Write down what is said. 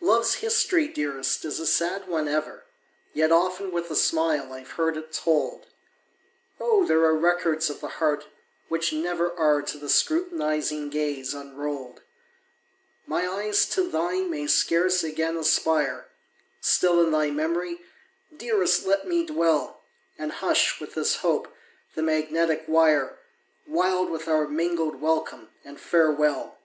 Love's history, dearest, is a sad one ever, Yet often with a smile I've heard it told! Oh, there are records of the heart which never Are to the scrutinizing gaze unrolled! My eyes to thine may scarce again aspire Still in thy memory, dearest let me dwell, And hush, with this hope, the magnetic wire, Wild with our mingled welcome and farewell!